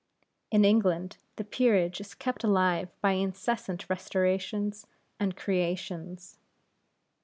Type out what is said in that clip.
In England the Peerage is kept alive by incessant restorations and creations.